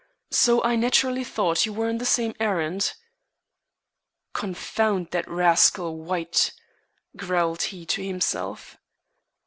So I naturally thought you were on the same errand." "Confound that rascal White," growled he to himself.